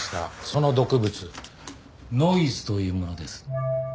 その毒物ノイズというものです。